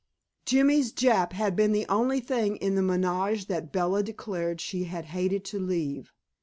Jimmy's Jap had been the only thing in the menage that Bella declared she had hated to leave.